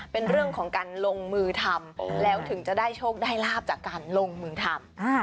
เป็นเรื่องของการลงมือทำแล้วถึงจะได้โชคได้ลาบจากการลงมือทำ